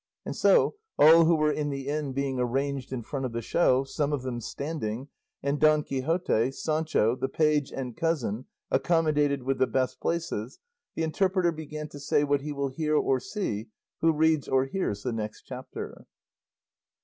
And so, all who were in the inn being arranged in front of the show, some of them standing, and Don Quixote, Sancho, the page, and cousin, accommodated with the best places, the interpreter began to say what he will hear or see who reads or hears the next chapter.